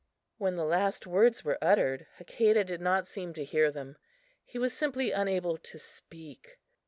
When the last words were uttered, Hakadah did not seem to hear them. He was simply unable to speak.